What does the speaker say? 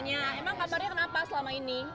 emang kabarnya kenapa selama ini